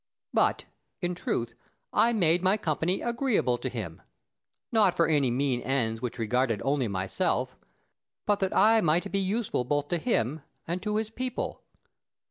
But, in truth, I made my company agreeable to him, not for any mean ends which regarded only myself, but that I might be useful both to him and to his people.